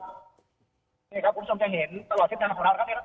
นี่ครับคุณผู้ชมจะเห็นตลอดเส้นทางของเรานะครับ